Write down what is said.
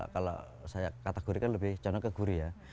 kalau saya kategorikan lebih condong ke gurih ya